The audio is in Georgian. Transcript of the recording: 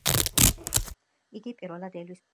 იგი პირველად ელვის პრესლიმ ჩაწერა.